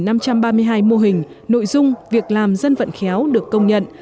năm trăm ba mươi hai mô hình nội dung việc làm dân vận khéo được công nhận